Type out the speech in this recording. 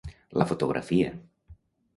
La fotografia.